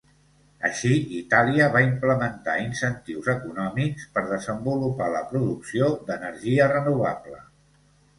Així, Itàlia va implementar incentius econòmics per desenvolupar la producció d'energia renovable.